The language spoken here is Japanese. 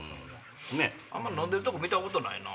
あんまり飲んでるとこ見たことないな。